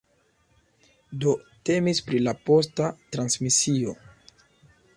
Do temis pri la posta transmisio.